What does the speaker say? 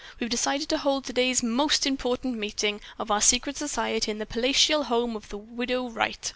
We've decided to hold today's most important meeting of our secret society in the palatial home of the Widow Wright.